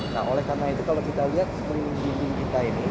nah oleh karena itu kalau kita lihat screening kita ini